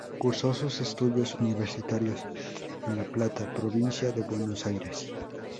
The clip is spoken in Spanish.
Cursó sus estudios universitarios en La Plata, provincia de Buenos Aires.